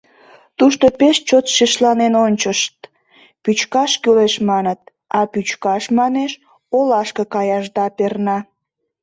Тушто пеш чот шишланен ончышт: «Пӱчкаш кӱлеш, маныт, а пӱчкаш, манеш, олашке каяшда перна».